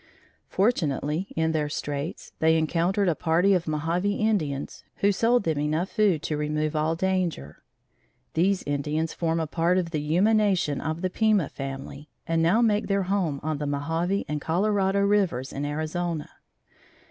Fortunately, in their straits, they encountered a party of Mohave Indians, who sold them enough food to remove all danger. These Indians form a part of the Yuma nation of the Pima family, and now make their home on the Mohave and Colorado rivers in Arizona.